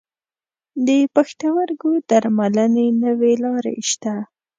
د پښتورګو درملنې نوي لارې شته.